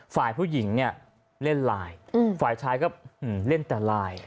ฝ่ายผู้หญิงเนี่ยเล่นไลน์ฝ่ายชายก็เล่นแต่ไลน์